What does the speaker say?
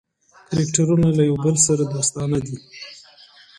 کرکټرونه له یو بل سره دوستانه دي.